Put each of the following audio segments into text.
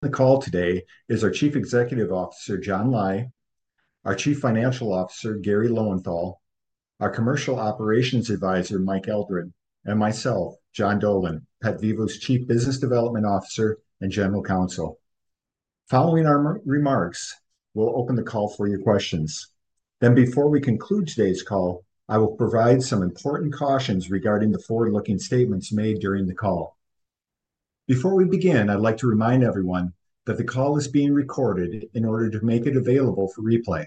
The call today is our Chief Executive Officer, John Lai; our Chief Financial Officer, Garry Lowenthal; our Commercial Operations Advisor, Mike Eldred; and myself, John Dolan, PetVivo's Chief Business Development Officer and General Counsel. Following our remarks, we'll open the call for your questions. Before we conclude today's call, I will provide some important cautions regarding the forward-looking statements made during the call. Before we begin, I'd like to remind everyone that the call is being recorded in order to make it available for replay.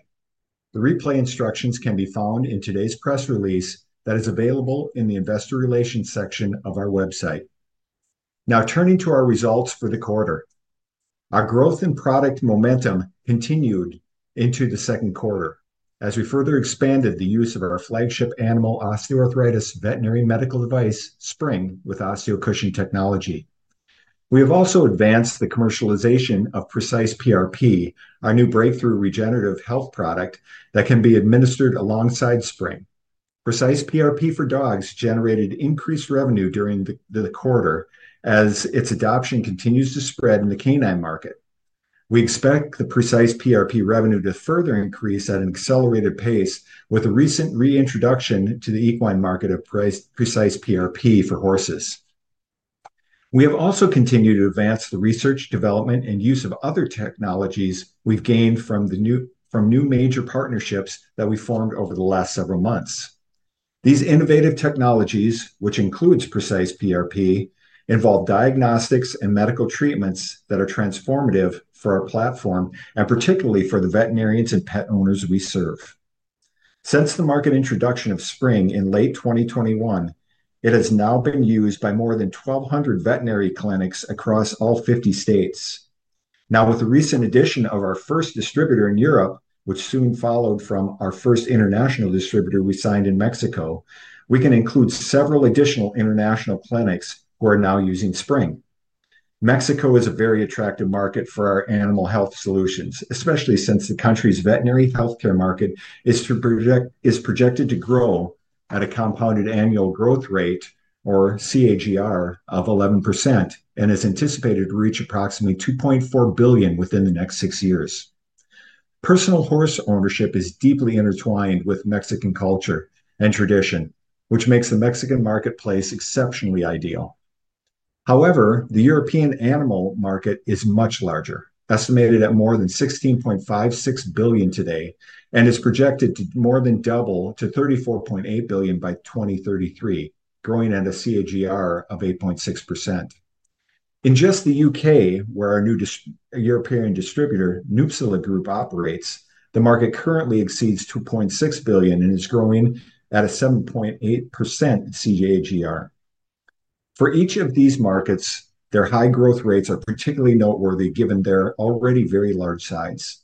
The replay instructions can be found in today's press release that is available in the Investor Relations section of our website. Now, turning to our results for the quarter, our growth in product momentum continued into the second quarter as we further expanded the use of our flagship animal osteoarthritis veterinary medical device, Spryng, with osteocushion technology. We have also advanced the commercialization of Precise PRP, our new breakthrough regenerative health product that can be administered alongside Spryng. Precise PRP for dogs generated increased revenue during the quarter as its adoption continues to spread in the canine market. We expect the Precise PRP revenue to further increase at an accelerated pace with a recent reintroduction to the equine market of Precise PRP for horses. We have also continued to advance the research, development, and use of other technologies we've gained from new major partnerships that we formed over the last several months. These innovative technologies, which include Precise PRP, involve diagnostics and medical treatments that are transformative for our platform and particularly for the veterinarians and pet owners we serve. Since the market introduction of Spryng in late 2021, it has now been used by more than 1,200 veterinary clinics across all 50 states. Now, with the recent addition of our first distributor in Europe, which soon followed from our first international distributor we signed in Mexico, we can include several additional international clinics who are now using Spryng. Mexico is a very attractive market for our animal health solutions, especially since the country's veterinary healthcare market is projected to grow at a compounded annual growth rate, or CAGR, of 11% and is anticipated to reach approximately $2.4 billion within the next six years. Personal horse ownership is deeply intertwined with Mexican culture and tradition, which makes the Mexican marketplace exceptionally ideal. However, the European animal market is much larger, estimated at more than $16.56 billion today, and is projected to more than double to $34.8 billion by 2033, growing at a CAGR of 8.6%. In just the U.K., where our new European distributor, Nupsala Group, operates, the market currently exceeds $2.6 billion and is growing at a 7.8% CAGR. For each of these markets, their high growth rates are particularly noteworthy given their already very large size.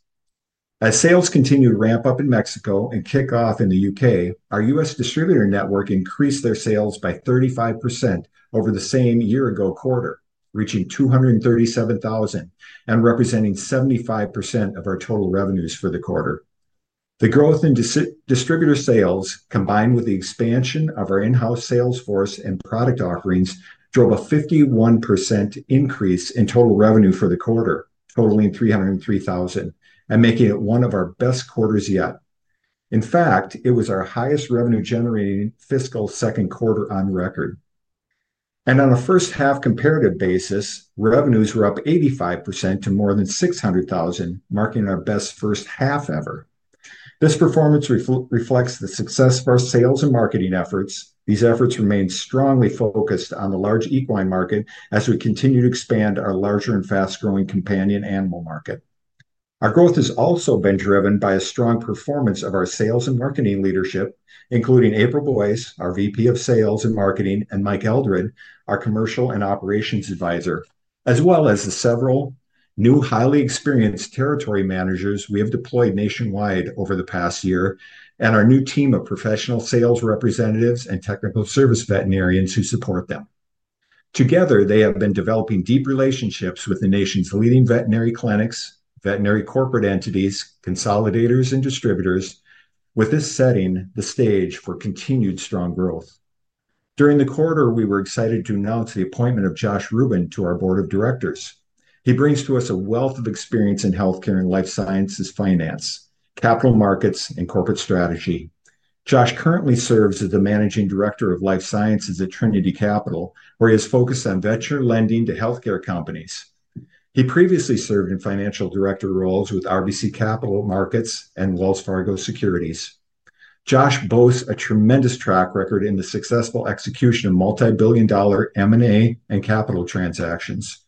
As sales continue to ramp up in Mexico and kick off in the U.K., our U.S. distributor network increased their sales by 35% over the same year-ago quarter, reaching $237,000 and representing 75% of our total revenues for the quarter. The growth in distributor sales, combined with the expansion of our in-house sales force and product offerings, drove a 51% increase in total revenue for the quarter, totaling $303,000, and making it one of our best quarters yet. In fact, it was our highest revenue-generating fiscal second quarter on record. On a first-half comparative basis, revenues were up 85% to more than $600,000, marking our best first half ever. This performance reflects the success of our sales and marketing efforts. These efforts remain strongly focused on the large equine market as we continue to expand our larger and fast-growing companion animal market. Our growth has also been driven by a strong performance of our sales and marketing leadership, including April Boyce, our Vice President of Sales and Marketing, and Mike Eldred, our Commercial Operations Advisor, as well as the several new highly experienced territory managers we have deployed nationwide over the past year and our new team of professional sales representatives and technical service veterinarians who support them. Together, they have been developing deep relationships with the nation's leading veterinary clinics, veterinary corporate entities, consolidators, and distributors, with this setting the stage for continued strong growth. During the quarter, we were excited to announce the appointment of Josh Ruben to our board of directors. He brings to us a wealth of experience in healthcare and life sciences, finance, capital markets, and corporate strategy. Josh currently serves as the Managing Director of Life Sciences at Trinity Capital, where he has focused on venture lending to healthcare companies. He previously served in financial director roles with RBC Capital Markets and Wells Fargo Securities. Josh boasts a tremendous track record in the successful execution of multi-billion dollar M&A and capital transactions.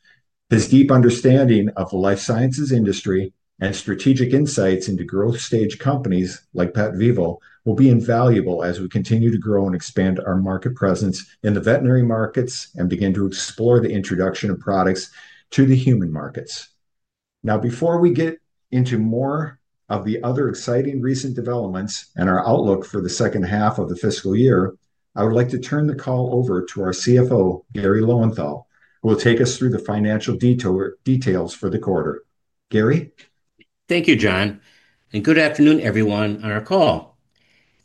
His deep understanding of the life sciences industry and strategic insights into growth-stage companies like PetVivo will be invaluable as we continue to grow and expand our market presence in the veterinary markets and begin to explore the introduction of products to the human markets. Now, before we get into more of the other exciting recent developments and our outlook for the second half of the fiscal year, I would like to turn the call over to our CFO, Garry Lowenthal, who will take us through the financial details for the quarter. Garry? Thank you, John, and good afternoon, everyone, on our call.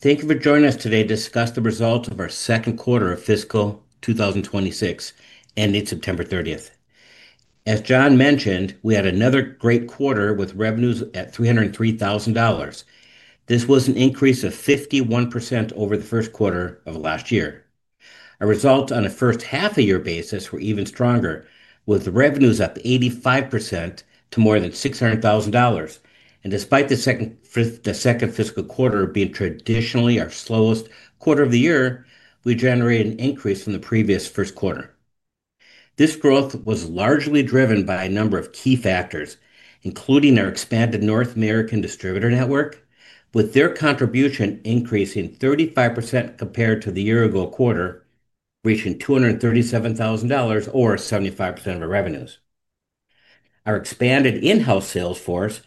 Thank you for joining us today to discuss the results of our second quarter of fiscal 2026 ending September 30. As John mentioned, we had another great quarter with revenues at $303,000. This was an increase of 51% over the first quarter of last year. Our results on a first half-year basis were even stronger, with revenues up 85% to more than $600,000. Despite the second fiscal quarter being traditionally our slowest quarter of the year, we generated an increase from the previous first quarter. This growth was largely driven by a number of key factors, including our expanded North American distributor network, with their contribution increasing 35% compared to the year-ago quarter, reaching $237,000, or 75% of our revenues. Our expanded in-house sales force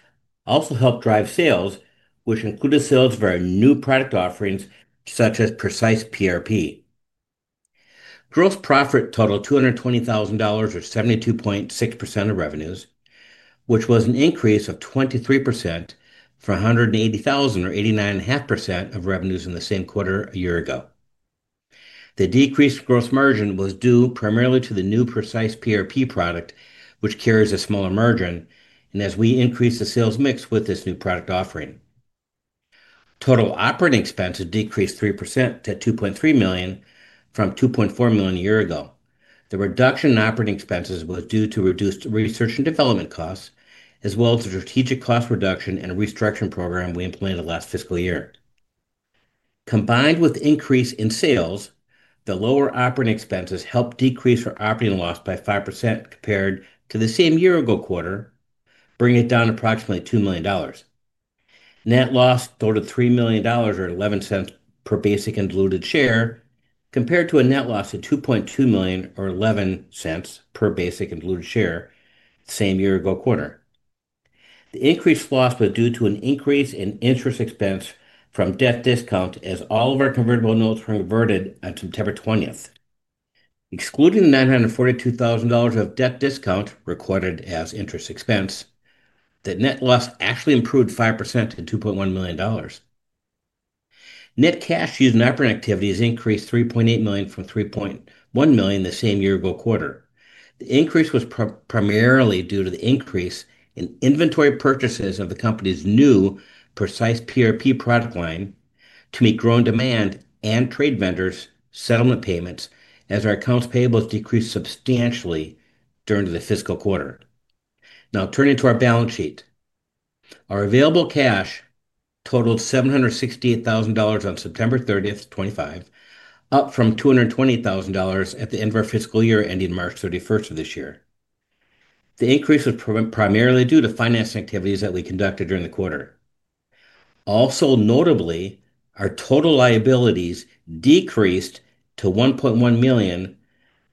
also helped drive sales, which included sales of our new product offerings, such as Precise PRP. Gross profit totaled $220,000, or 72.6% of revenues, which was an increase of 23% from $180,000, or 89.5% of revenues in the same quarter a year ago. The decreased gross margin was due primarily to the new Precise PRP product, which carries a smaller margin, and as we increased the sales mix with this new product offering. Total operating expenses decreased 3% to $2.3 million from $2.4 million a year ago. The reduction in operating expenses was due to reduced research and development costs, as well as the strategic cost reduction and restructuring program we implemented last fiscal year. Combined with the increase in sales, the lower operating expenses helped decrease our operating loss by 5% compared to the same year-ago quarter, bringing it down to approximately $2 million. Net loss totaled $3 million, or $0.11 per basic and diluted share, compared to a net loss of $2.2 million, or $0.11 per basic and diluted share, the same year-ago quarter. The increased loss was due to an increase in interest expense from debt discount as all of our convertible notes were converted on September 20. Excluding the $942,000 of debt discount recorded as interest expense, the net loss actually improved 5% to $2.1 million. Net cash used in operating activities increased $3.8 million from $3.1 million the same year-ago quarter. The increase was primarily due to the increase in inventory purchases of the company's new Precise PRP product line to meet growing demand and trade vendors' settlement payments, as our accounts payables decreased substantially during the fiscal quarter. Now, turning to our balance sheet, our available cash totaled $768,000 on September 30, 2025, up from $220,000 at the end of our fiscal year ending March 31 of this year. The increase was primarily due to financing activities that we conducted during the quarter. Also notably, our total liabilities decreased to $1.1 million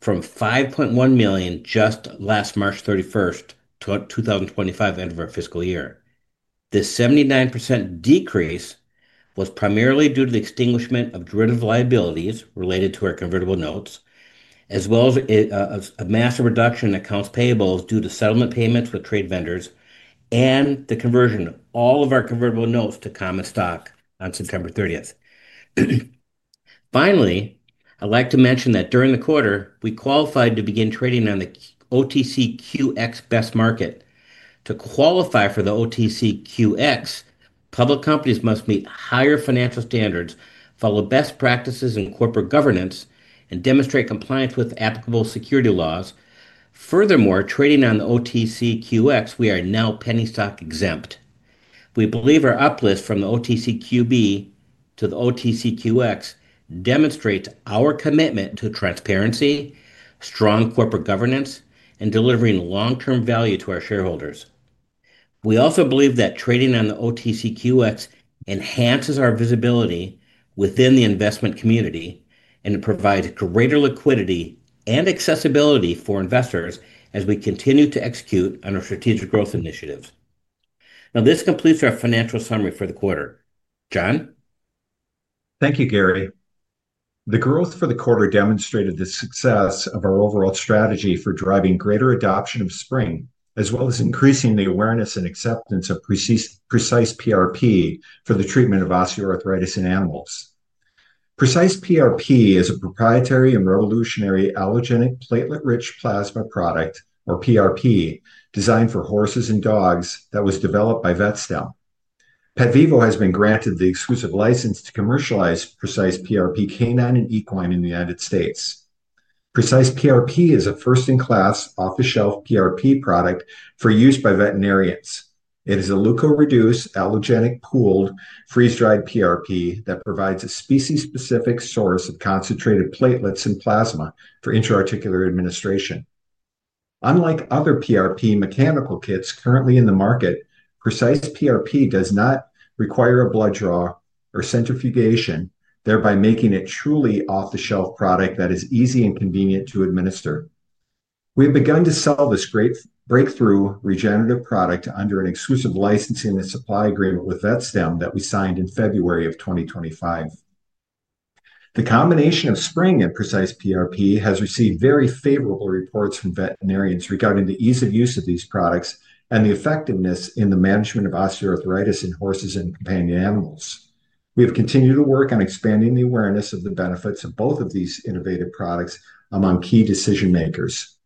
from $5.1 million just last March 31, 2025, end of our fiscal year. This 79% decrease was primarily due to the extinguishment of derivative liabilities related to our convertible notes, as well as a massive reduction in accounts payables due to settlement payments with trade vendors and the conversion of all of our convertible notes to common stock on September 30. Finally, I'd like to mention that during the quarter, we qualified to begin trading on the OTCQX best market. To qualify for the OTCQX, public companies must meet higher financial standards, follow best practices in corporate governance, and demonstrate compliance with applicable security laws. Furthermore, trading on the OTCQX, we are now penny stock exempt. We believe our uplift from the OTCQB to the OTCQX demonstrates our commitment to transparency, strong corporate governance, and delivering long-term value to our shareholders. We also believe that trading on the OTCQX enhances our visibility within the investment community and provides greater liquidity and accessibility for investors as we continue to execute on our strategic growth initiatives. Now, this completes our financial summary for the quarter. John? Thank you, Garry. The growth for the quarter demonstrated the success of our overall strategy for driving greater adoption of Spryng, as well as increasing the awareness and acceptance of Precise PRP for the treatment of osteoarthritis in animals. Precise PRP is a proprietary and revolutionary allogenic platelet-rich plasma product, or PRP, designed for horses and dogs that was developed by VetStem. PetVivo has been granted the exclusive license to commercialize Precise PRP canine and equine in the United States. Precise PRP is a first-in-class off-the-shelf PRP product for use by veterinarians. It is a leukoreduced allogenic pooled freeze-dried PRP that provides a species-specific source of concentrated platelets and plasma for intra-articular administration. Unlike other PRP mechanical kits currently in the market, Precise PRP does not require a blood draw or centrifugation, thereby making it a truly off-the-shelf product that is easy and convenient to administer. We have begun to sell this great breakthrough regenerative product under an exclusive licensing and supply agreement with VetStem that we signed in February of 2025. The combination of Spryng and Precise PRP has received very favorable reports from veterinarians regarding the ease of use of these products and the effectiveness in the management of osteoarthritis in horses and companion animals. We have continued to work on expanding the awareness of the benefits of both of these innovative products among key decision-makers.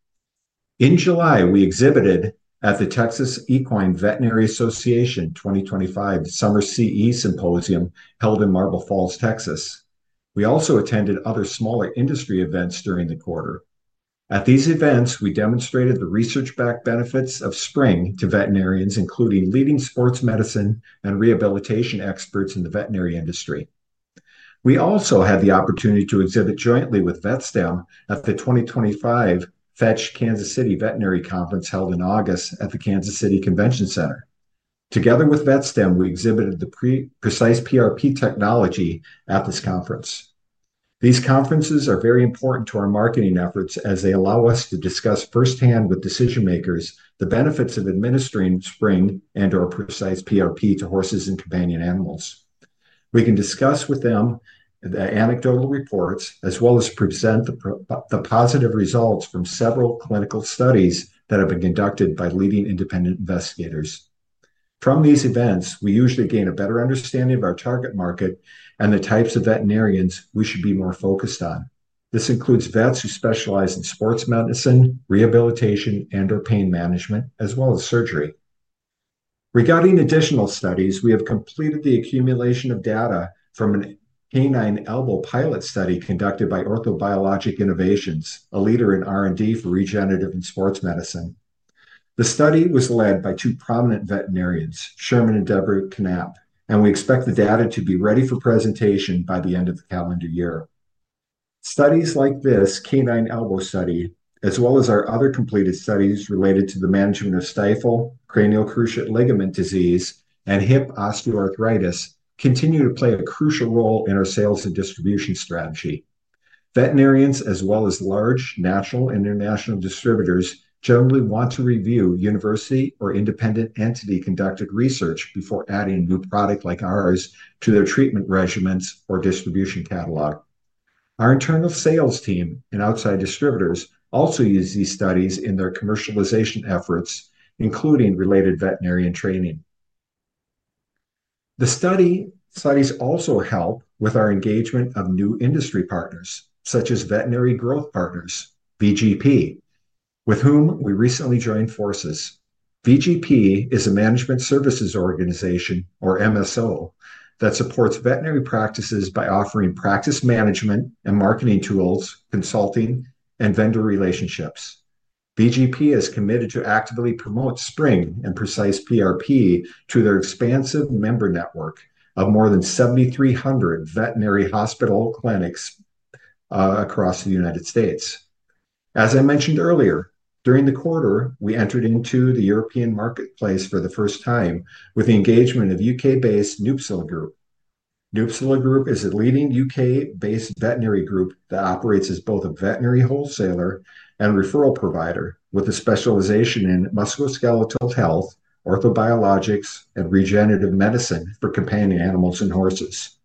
In July, we exhibited at the Texas Equine Veterinary Association 2025 Summer CE Symposium held in Marble Falls, Texas. We also attended other smaller industry events during the quarter. At these events, we demonstrated the research-backed benefits of Spryng to veterinarians, including leading sports medicine and rehabilitation experts in the veterinary industry. We also had the opportunity to exhibit jointly with VetStem at the 2025 Fetch Kansas City Veterinary Conference held in August at the Kansas City Convention Center. Together with VetStem, we exhibited the Precise PRP technology at this conference. These conferences are very important to our marketing efforts as they allow us to discuss firsthand with decision-makers the benefits of administering Spryng and/or Precise PRP to horses and companion animals. We can discuss with them the anecdotal reports, as well as present the positive results from several clinical studies that have been conducted by leading independent investigators. From these events, we usually gain a better understanding of our target market and the types of veterinarians we should be more focused on. This includes vets who specialize in sports medicine, rehabilitation, and/or pain management, as well as surgery. Regarding additional studies, we have completed the accumulation of data from a canine elbow pilot study conducted by Orthobiologic Innovations, a leader in R&D for regenerative and sports medicine. The study was led by two prominent veterinarians, Sherman and Debra Canapp, and we expect the data to be ready for presentation by the end of the calendar year. Studies like this canine elbow study, as well as our other completed studies related to the management of stifle, cranial cruciate ligament disease, and hip osteoarthritis, continue to play a crucial role in our sales and distribution strategy. Veterinarians, as well as large national and international distributors, generally want to review university or independent entity conducted research before adding a new product like ours to their treatment regimens or distribution catalog. Our internal sales team and outside distributors also use these studies in their commercialization efforts, including related veterinarian training. The studies also help with our engagement of new industry partners, such as Veterinary Growth Partners, VGP, with whom we recently joined forces. VGP is a management services organization, or MSO, that supports veterinary practices by offering practice management and marketing tools, consulting, and vendor relationships. VGP is committed to actively promote Spryng and Precise PRP to their expansive member network of more than 7,300 veterinary hospital clinics across the United States. As I mentioned earlier, during the quarter, we entered into the European marketplace for the first time with the engagement of U.K.-based Nupsala Group. Nupsala Group is a leading U.K.-based veterinary group that operates as both a veterinary wholesaler and referral provider with a specialization in musculoskeletal health, orthobiologics, and regenerative medicine for companion animals and horses.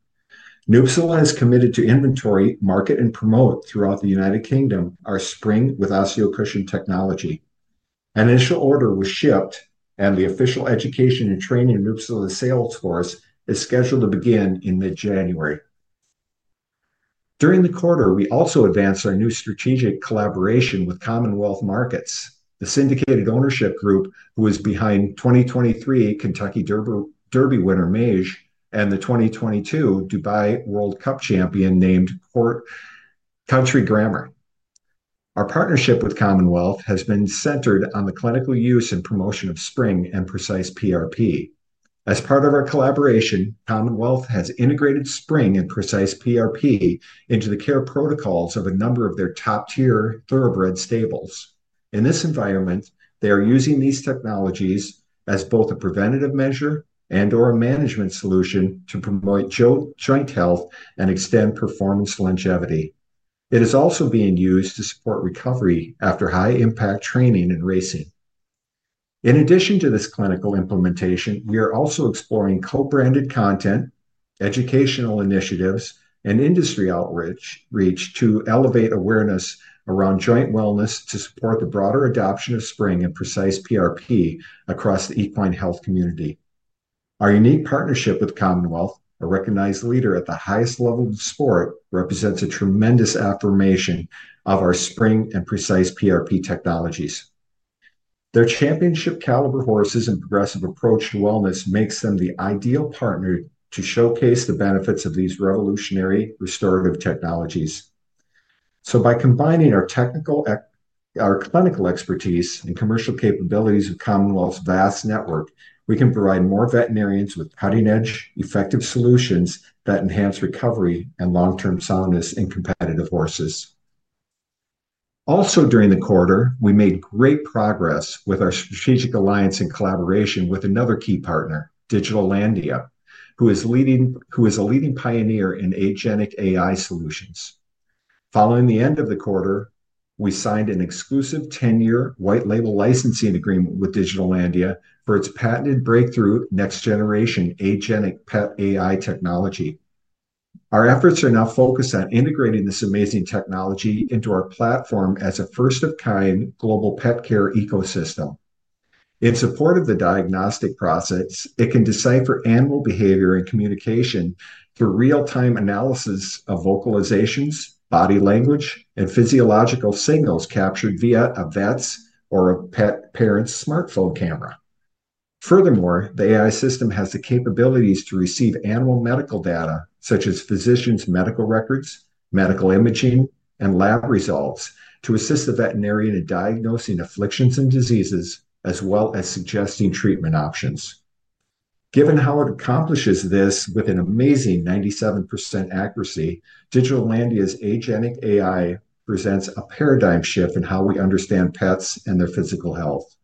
Nupsala has committed to inventory, market, and promote throughout the United Kingdom our Spryng with osteocushion technology. An initial order was shipped, and the official education and training of Nupsala's sales force is scheduled to begin in mid-January. During the quarter, we also advanced our new strategic collaboration with Commonwealth Markets, the syndicated ownership group who is behind 2023 Kentucky Derby winner Mage and the 2022 Dubai World Cup champion named Country Grammer. Our partnership with Commonwealth has been centered on the clinical use and promotion of Spryng and Precise PRP. As part of our collaboration, Commonwealth has integrated Spryng and Precise PRP into the care protocols of a number of their top-tier thoroughbred stables. In this environment, they are using these technologies as both a preventative measure and/or a management solution to promote joint health and extend performance longevity. It is also being used to support recovery after high-impact training and racing. In addition to this clinical implementation, we are also exploring co-branded content, educational initiatives, and industry outreach to elevate awareness around joint wellness to support the broader adoption of Spryng and Precise PRP across the equine health community. Our unique partnership with Commonwealth, a recognized leader at the highest level of the sport, represents a tremendous affirmation of our Spryng and Precise PRP technologies. Their championship-caliber horses and progressive approach to wellness make them the ideal partner to showcase the benefits of these revolutionary restorative technologies. By combining our clinical expertise and commercial capabilities with Commonwealth's vast network, we can provide more veterinarians with cutting-edge, effective solutions that enhance recovery and long-term soundness in competitive horses. Also, during the quarter, we made great progress with our strategic alliance and collaboration with another key partner, Digital Landia, who is a leading pioneer in agentic AI solutions. Following the end of the quarter, we signed an exclusive 10-year white-label licensing agreement with Digital Landia for its patented breakthrough next-generation agentic pet AI technology. Our efforts are now focused on integrating this amazing technology into our platform as a first-of-kind global pet care ecosystem. In support of the diagnostic process, it can decipher animal behavior and communication through real-time analysis of vocalizations, body language, and physiological signals captured via a vet's or a pet parent's smartphone camera. Furthermore, the AI system has the capabilities to receive animal medical data, such as physicians' medical records, medical imaging, and lab results, to assist the veterinarian in diagnosing afflictions and diseases, as well as suggesting treatment options. Given how it accomplishes this with an amazing 97% accuracy, Digital Landia's agentic AI presents a paradigm shift in how we understand pets and their physical health.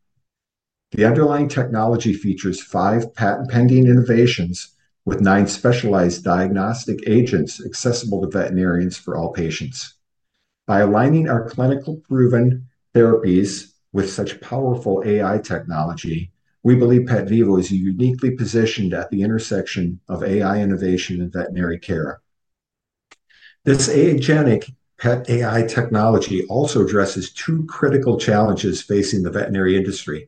The underlying technology features five patent-pending innovations with nine specialized diagnostic agents accessible to veterinarians for all patients. By aligning our clinical-proven therapies with such powerful AI technology, we believe PetVivo is uniquely positioned at the intersection of AI innovation and veterinary care. This agentic pet AI technology also addresses two critical challenges facing the veterinary industry: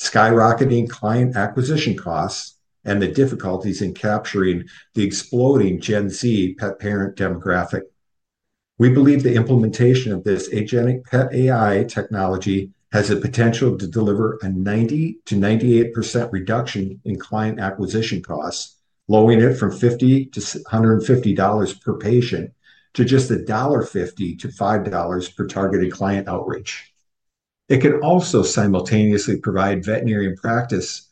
skyrocketing client acquisition costs and the difficulties in capturing the exploding Gen-Z pet parent demographic. We believe the implementation of this agentic pet AI technology has the potential to deliver a 90%-98% reduction in client acquisition costs, lowering it from $50-$150 per patient to just $1.50-$5 per targeted client outreach. It can also simultaneously provide veterinarian practices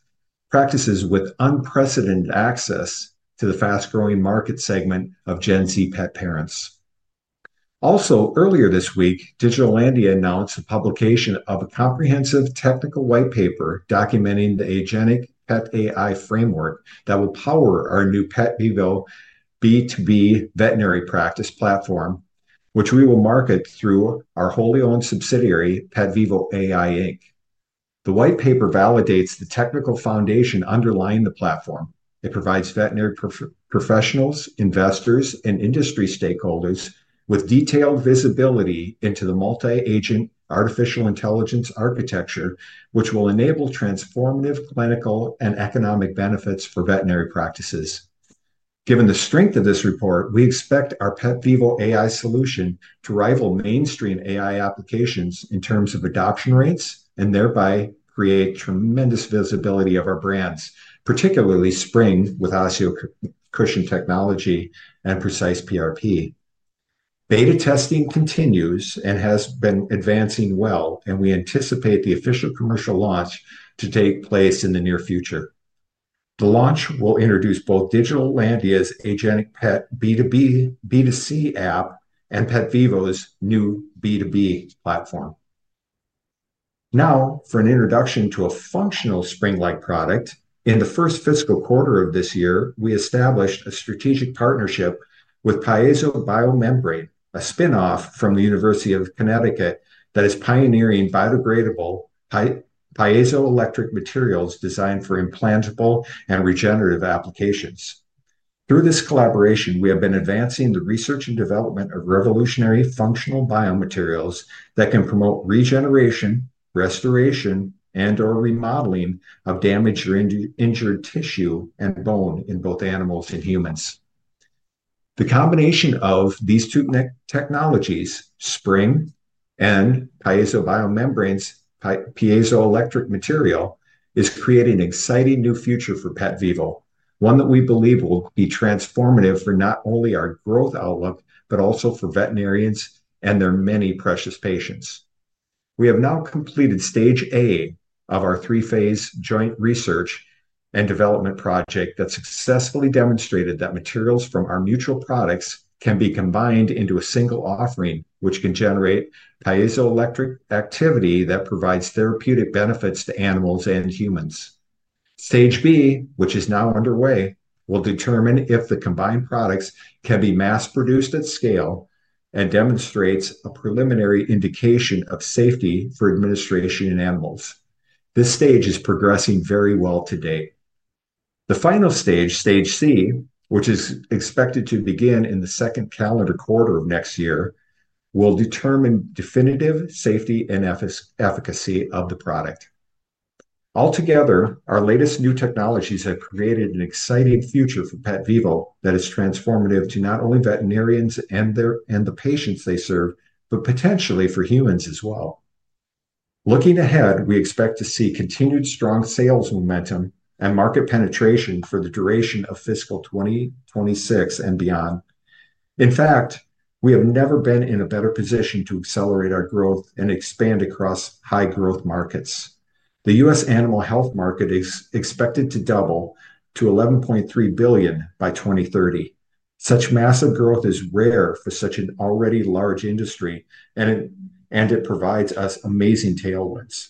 with unprecedented access to the fast-growing market segment of Gen-Z pet parents. Also, earlier this week, Digital Landia announced the publication of a comprehensive technical white paper documenting the agentic pet AI framework that will power our new PetVivo B2B veterinary practice platform, which we will market through our wholly owned subsidiary, PetVivo AI Inc. The white paper validates the technical foundation underlying the platform. It provides veterinary professionals, investors, and industry stakeholders with detailed visibility into the multi-agent artificial intelligence architecture, which will enable transformative clinical and economic benefits for veterinary practices. Given the strength of this report, we expect our PetVivo AI solution to rival mainstream AI applications in terms of adoption rates and thereby create tremendous visibility of our brands, particularly Spryng with osteocushion technology and Precise PRP. Beta testing continues and has been advancing well, and we anticipate the official commercial launch to take place in the near future. The launch will introduce both Digital Landia's agentic pet B2B, B2C app, and PetVivo's new B2B platform. Now, for an introduction to a functional Spryng-like product, in the first fiscal quarter of this year, we established a strategic partnership with PiezoBioMembrane, a spinoff from the University of Connecticut that is pioneering biodegradable piezoelectric materials designed for implantable and regenerative applications. Through this collaboration, we have been advancing the research and development of revolutionary functional biomaterials that can promote regeneration, restoration, and/or remodeling of damaged or injured tissue and bone in both animals and humans. The combination of these two technologies, Spryng and PiezoBioMembrane's piezoelectric material, is creating an exciting new future for PetVivo, one that we believe will be transformative for not only our growth outlook, but also for veterinarians and their many precious patients. We have now completed stage A of our three-phase joint research and development project that successfully demonstrated that materials from our mutual products can be combined into a single offering, which can generate piezoelectric activity that provides therapeutic benefits to animals and humans. Stage B, which is now underway, will determine if the combined products can be mass-produced at scale and demonstrates a preliminary indication of safety for administration in animals. This stage is progressing very well to date. The final stage, stage C, which is expected to begin in the second calendar quarter of next year, will determine definitive safety and efficacy of the product. Altogether, our latest new technologies have created an exciting future for PetVivo that is transformative to not only veterinarians and the patients they serve, but potentially for humans as well. Looking ahead, we expect to see continued strong sales momentum and market penetration for the duration of fiscal 2026 and beyond. In fact, we have never been in a better position to accelerate our growth and expand across high-growth markets. The U.S. animal health market is expected to double to $11.3 billion by 2030. Such massive growth is rare for such an already large industry, and it provides us amazing tailwinds.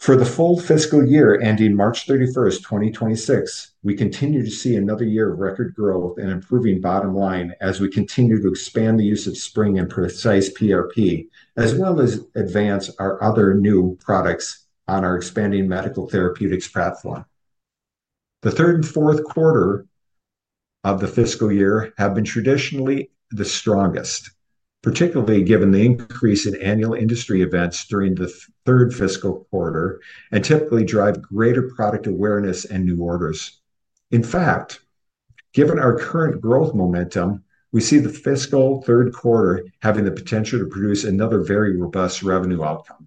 For the full fiscal year ending March 31, 2026, we continue to see another year of record growth and improving bottom line as we continue to expand the use of Spryng and Precise PRP, as well as advance our other new products on our expanding medical therapeutics platform. The third and fourth quarter of the fiscal year have been traditionally the strongest, particularly given the increase in annual industry events during the third fiscal quarter and typically drive greater product awareness and new orders. In fact, given our current growth momentum, we see the fiscal third quarter having the potential to produce another very robust revenue outcome.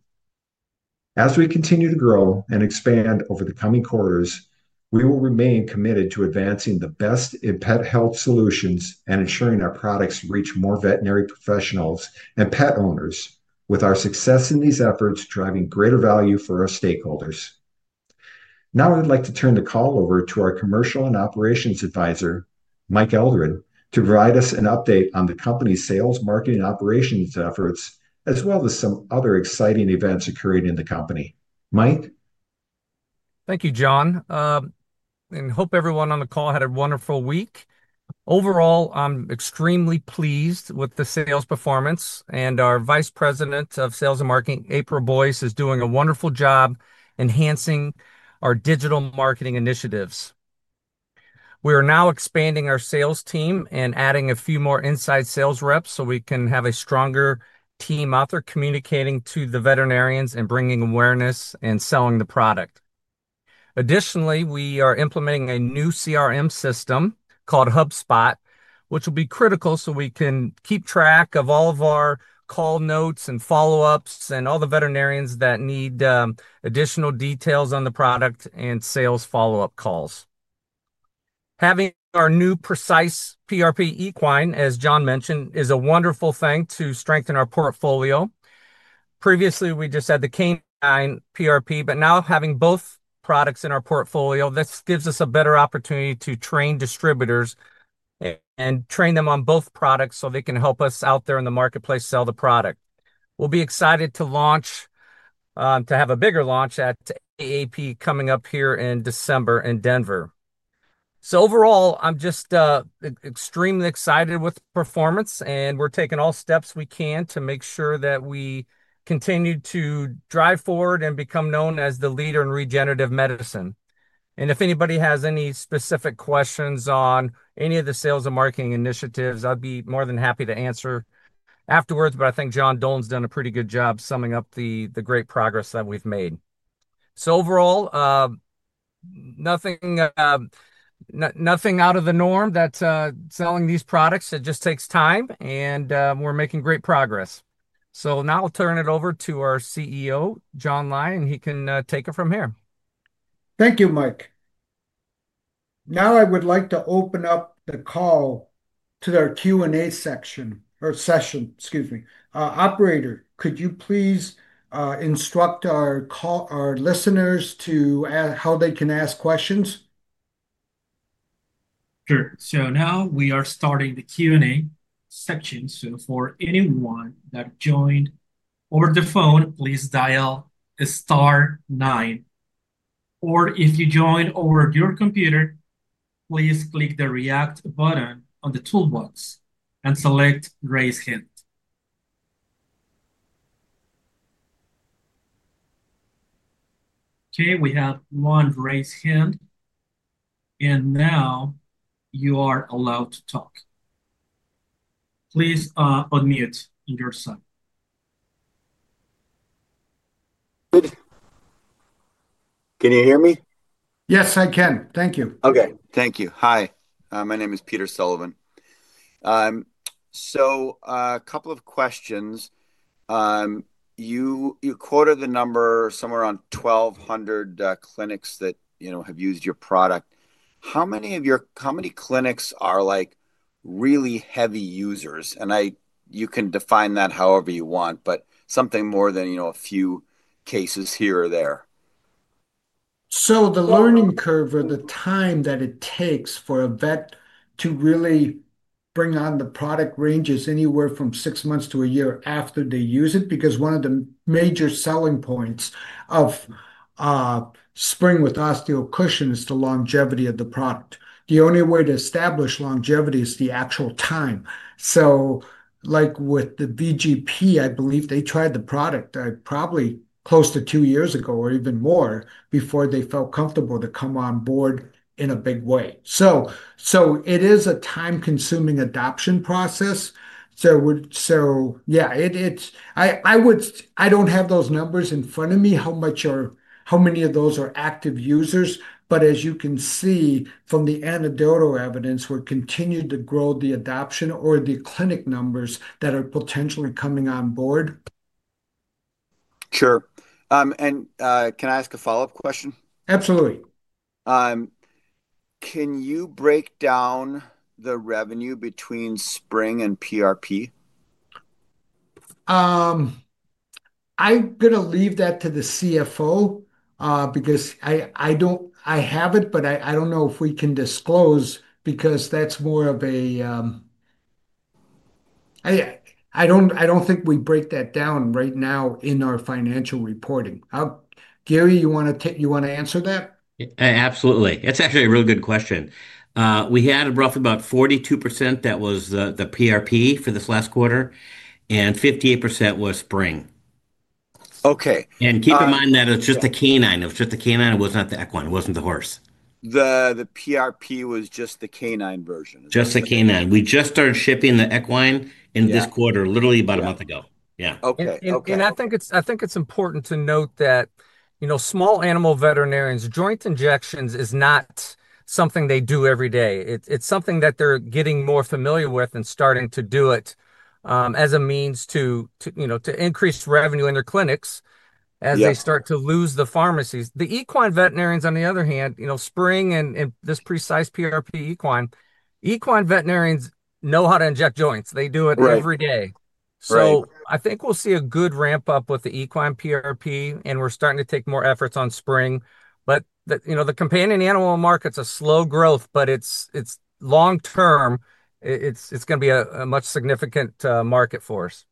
As we continue to grow and expand over the coming quarters, we will remain committed to advancing the best in pet health solutions and ensuring our products reach more veterinary professionals and pet owners with our success in these efforts driving greater value for our stakeholders. Now, I'd like to turn the call over to our Commercial and Operations Advisor, Mike Eldred, to provide us an update on the company's sales, marketing, and operations efforts, as well as some other exciting events occurring in the company. Mike. Thank you, John. I hope everyone on the call had a wonderful week. Overall, I'm extremely pleased with the sales performance, and our Vice President of Sales and Marketing, April Boyce, is doing a wonderful job enhancing our digital marketing initiatives. We are now expanding our sales team and adding a few more inside sales reps so we can have a stronger team out there communicating to the veterinarians and bringing awareness and selling the product. Additionally, we are implementing a new CRM system called HubSpot, which will be critical so we can keep track of all of our call notes and follow-ups and all the veterinarians that need additional details on the product and sales follow-up calls. Having our new Precise PRP equine, as John mentioned, is a wonderful thing to strengthen our portfolio. Previously, we just had the K9 PRP, but now having both products in our portfolio, this gives us a better opportunity to train distributors and train them on both products so they can help us out there in the marketplace sell the product. We'll be excited to launch, to have a bigger launch at AAP coming up here in December in Denver. Overall, I'm just extremely excited with performance, and we're taking all steps we can to make sure that we continue to drive forward and become known as the leader in regenerative medicine. If anybody has any specific questions on any of the sales and marketing initiatives, I'd be more than happy to answer afterwards, but I think John Dolan's done a pretty good job summing up the great progress that we've made. Overall, nothing out of the norm that's selling these products. It just takes time, and we're making great progress. Now, I would like to open up the call to our Q&A section or session, excuse me. Operator, could you please instruct our listeners to how they can ask questions? Sure. Now we are starting the Q&A section. For anyone that joined over the phone, please dial the star nine. If you joined over your computer, please click the react button on the toolbox and select raise hand. Okay. We have one raise hand. Now you are allowed to talk. Please unmute yourself. Can you hear me? Yes, I can. Thank you. Okay. Thank you. Hi. My name is Peter Sullivan. So a couple of questions. You quoted the number somewhere around 1,200 clinics that have used your product. How many of your, how many clinics are really heavy users? You can define that however you want, but something more than a few cases here or there. The learning curve or the time that it takes for a vet to really bring on the product ranges anywhere from six months to a year after they use it because one of the major selling points of Spryng with osteocushion is the longevity of the product. The only way to establish longevity is the actual time. Like with the VGP, I believe they tried the product probably close to two years ago or even more before they felt comfortable to come on board in a big way. It is a time-consuming adoption process. Yeah, I don't have those numbers in front of me, how many of those are active users. But as you can see from the anecdotal evidence, we're continuing to grow the adoption or the clinic numbers that are potentially coming on board. Sure. Can I ask a follow-up question? Absolutely. Can you break down the revenue between Spryng and PRP? I'm going to leave that to the CFO because I have it, but I don't know if we can disclose because that's more of a I don't think we break that down right now in our financial reporting. Garry, you want to answer that? Absolutely. It's actually a really good question. We had roughly about 42% that was the PRP for this last quarter, and 58% was Spryng. Okay. Keep in mind that it's just a canine. It was just a canine. It was not the equine. It wasn't the horse. The PRP was just the canine version. Just the canine. We just started shipping the equine in this quarter, literally about a month ago. Yeah. Okay. I think it's important to note that small animal veterinarians, joint injections is not something they do every day. It's something that they're getting more familiar with and starting to do it as a means to increase revenue in their clinics as they start to lose the pharmacies. The equine veterinarians, on the other hand, Spryng and this Precise PRP equine, equine veterinarians know how to inject joints. They do it every day. I think we'll see a good ramp up with the equine PRP, and we're starting to take more efforts on Spryng. The companion animal market's a slow growth, but it's long-term. It's going to be a much significant market for us.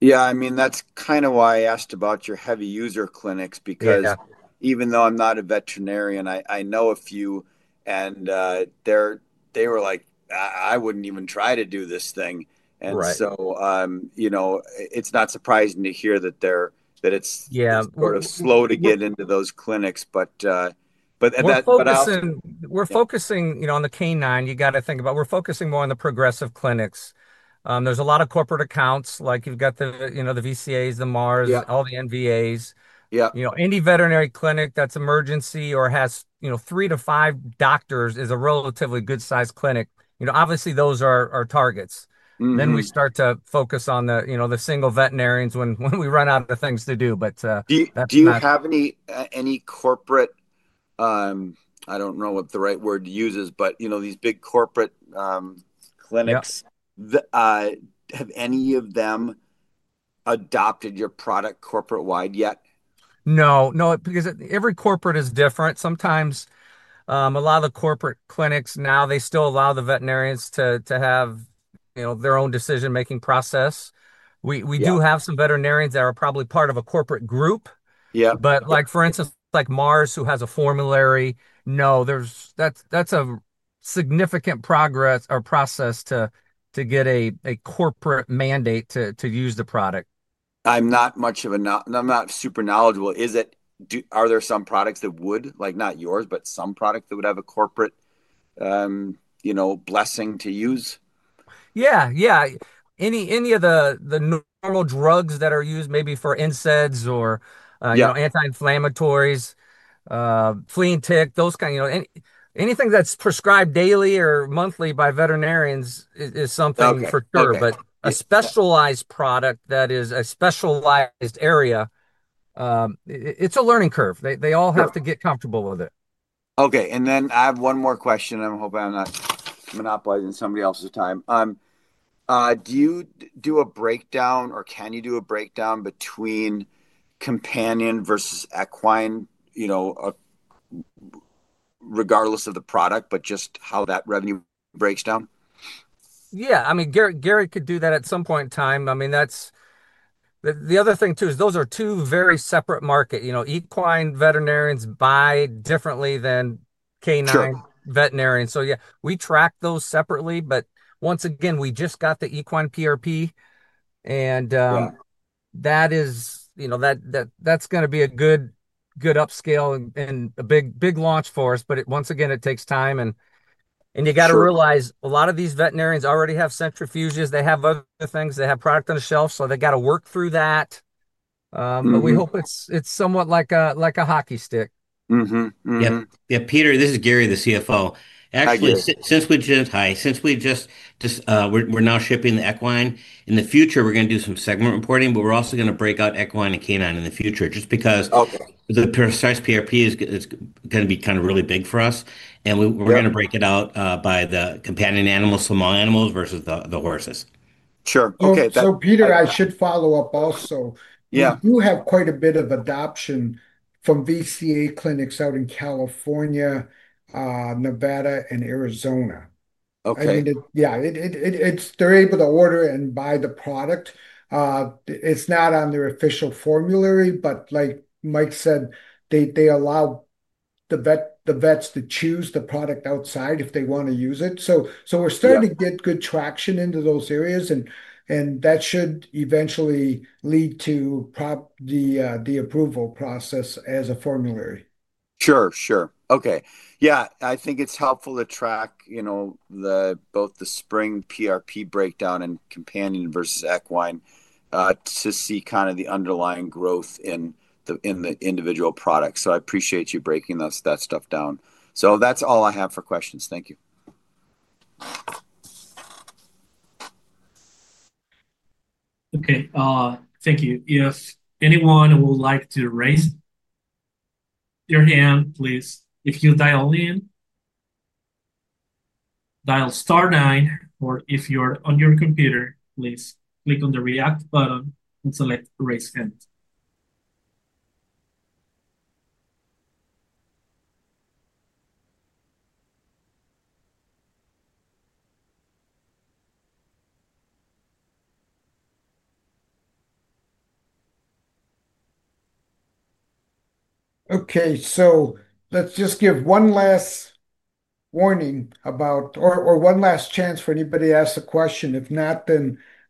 Yeah. I mean, that's kind of why I asked about your heavy user clinics because even though I'm not a veterinarian, I know a few, and they were like, "I wouldn't even try to do this thing." It is not surprising to hear that it's sort of slow to get into those clinics. We're focusing on the canine. You got to think about we're focusing more on the progressive clinics. There's a lot of corporate accounts. You've got the VCA, the Mars, all the NVA. Any veterinary clinic that's emergency or has three to five doctors is a relatively good-sized clinic. Obviously, those are targets. We start to focus on the single veterinarians when we run out of things to do. That's what I'm saying. Do you have any corporate—I don't know what the right word to use is—but these big corporate clinics, have any of them adopted your product corporate-wide yet? No. No, because every corporate is different. Sometimes a lot of the corporate clinics now, they still allow the veterinarians to have their own decision-making process. We do have some veterinarians that are probably part of a corporate group. For instance, like Mars, who has a formulary, no, that's a significant progress or process to get a corporate mandate to use the product. I'm not much of a—I'm not super knowledgeable. Are there some products that would, not yours, but some products that would have a corporate blessing to use? Yeah. Yeah. Any of the normal drugs that are used maybe for NSAIDs or anti-inflammatories, flea and tick, those kinds of anything that's prescribed daily or monthly by veterinarians is something for sure. A specialized product that is a specialized area, it's a learning curve. They all have to get comfortable with it. Okay. I have one more question. I'm hoping I'm not monopolizing somebody else's time. Do you do a breakdown, or can you do a breakdown between companion versus equine, regardless of the product, but just how that revenue breaks down? Yeah. I mean, Garry could do that at some point in time. I mean, the other thing too is those are two very separate markets. Equine veterinarians buy differently than canine veterinarians. Yeah, we track those separately. Once again, we just got the equine PRP, and that's going to be a good upscale and a big launch for us. Once again, it takes time. You got to realize a lot of these veterinarians already have centrifuges. They have other things. They have product on the shelf, so they got to work through that. We hope it's somewhat like a hockey stick. Yeah. Peter, this is Garry, the CFO. Actually, since we just—hi. Since we just—we're now shipping the equine. In the future, we're going to do some segment reporting, but we're also going to break out equine and canine in the future just because the Precise PRP is going to be kind of really big for us. We're going to break it out by the companion animals, small animals versus the horses. Sure. Okay. Peter, I should follow up also. We do have quite a bit of adoption from VCA clinics out in California, Nevada, and Arizona. I mean, yeah, they're able to order and buy the product. It's not on their official formulary, but like Mike said, they allow the vets to choose the product outside if they want to use it. We're starting to get good traction into those areas, and that should eventually lead to the approval process as a formulary. Sure. Sure. Okay. I think it's helpful to track both the Spryng PRP breakdown and companion versus equine to see kind of the underlying growth in the individual products. I appreciate you breaking that stuff down. That's all I have for questions. Thank you. Okay. Thank you. If anyone would like to raise their hand, please. If you dial in, dial star nine, or if you're on your computer, please click on the react button and select raise hand. Okay. Let's just give one last warning about or one last chance for anybody to ask a question. If not,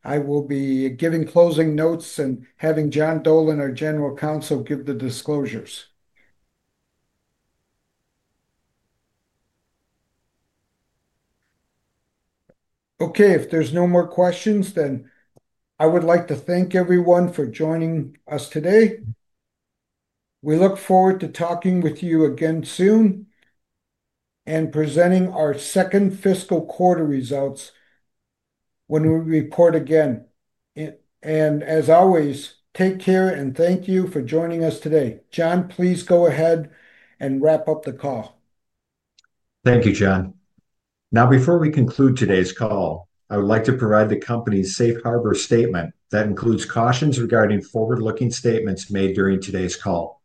I will be giving closing notes and having John Dolan, our General Counsel, give the disclosures. Okay. If there's no more questions, I would like to thank everyone for joining us today. We look forward to talking with you again soon and presenting our second fiscal quarter results when we report again. As always, take care and thank you for joining us today. John, please go ahead and wrap up the call. Thank you, John. Now, before we conclude today's call, I would like to provide the company's safe harbor statement that includes cautions regarding forward-looking statements made during today's call.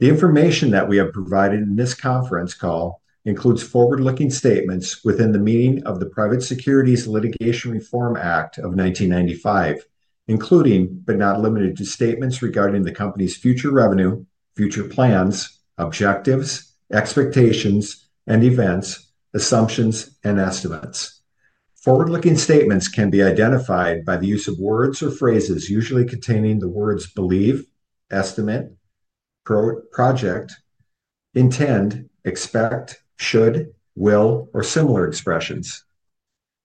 The information that we have provided in this conference call includes forward-looking statements within the meaning of the Private Securities Litigation Reform Act of 1995, including, but not limited to, statements regarding the company's future revenue, future plans, objectives, expectations, and events, assumptions, and estimates. Forward-looking statements can be identified by the use of words or phrases usually containing the words believe, estimate, project, intend, expect, should, will, or similar expressions.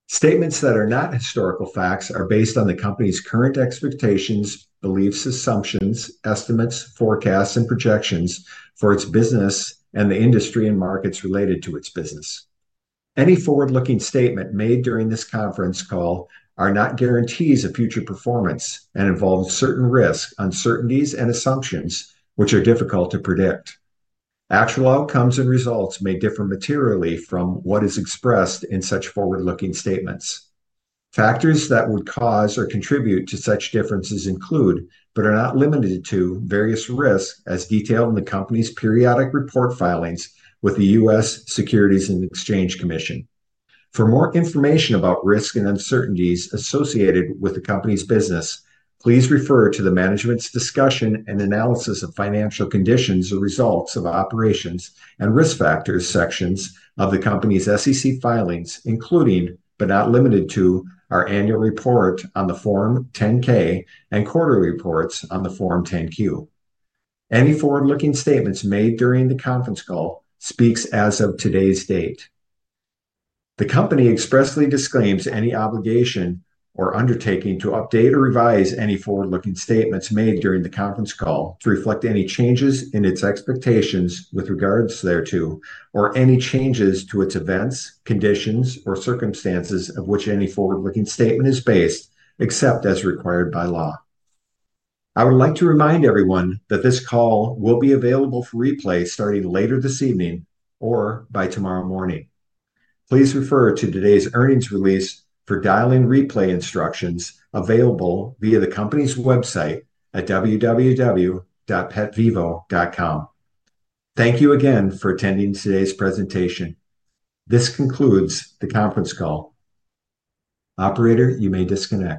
Statements that are not historical facts are based on the company's current expectations, beliefs, assumptions, estimates, forecasts, and projections for its business and the industry and markets related to its business. Any forward-looking statement made during this conference call are not guarantees of future performance and involve certain risk, uncertainties, and assumptions, which are difficult to predict. Actual outcomes and results may differ materially from what is expressed in such forward-looking statements. Factors that would cause or contribute to such differences include, but are not limited to, various risks as detailed in the company's periodic report filings with the U.S. Securities and Exchange Commission. For more information about risks and uncertainties associated with the company's business, please refer to the management's discussion and analysis of financial conditions or results of operations and risk factors sections of the company's SEC filings, including, but not limited to, our annual report on the Form 10-K and quarterly reports on the Form 10-Q. Any forward-looking statements made during the conference call speaks as of today's date. The company expressly disclaims any obligation or undertaking to update or revise any forward-looking statements made during the conference call to reflect any changes in its expectations with regards thereto, or any changes to its events, conditions, or circumstances of which any forward-looking statement is based, except as required by law. I would like to remind everyone that this call will be available for replay starting later this evening or by tomorrow morning. Please refer to today's earnings release for dial-in replay instructions available via the company's website at www.petvivo.com. Thank you again for attending today's presentation. This concludes the conference call. Operator, you may disconnect.